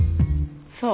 そう。